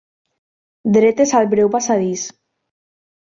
Dretes al breu passadís.